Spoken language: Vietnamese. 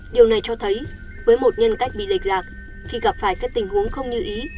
điều này cho thấy với một nhân cách bị lịch lạc khi gặp phải các tình huống không như ý